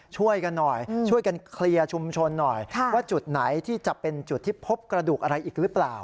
ช่วยกันหน่อยช่วยกันเคลียร์ชุมชนหน่อยว่าจุดไหนที่จะเป็นจุดที่พบกระดูกอะไรอีกหรือเปล่า